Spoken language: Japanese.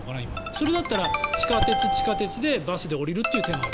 それだったら地下鉄、地下鉄でバスで下りるという手もある。